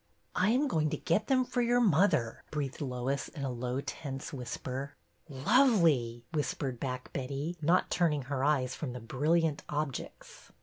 " I am going to get them for your mother,'' breathed Lois, in a low tense whisper. '' Lovely! " whispered back Betty, not turning her eyes from the brilliant objects.